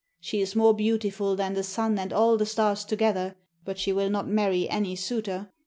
She is more beautiful than the sun and all the stars together, but she will not marry any suitor.